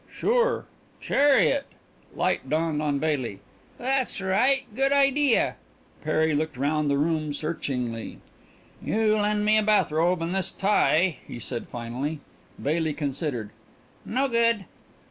"Sure. Chariot." Light dawned on Baily. "That's right. Good idea." Perry looked round the room searchingly. "You lend me a bathrobe and this tie," he said finally. Baily considered. "No good."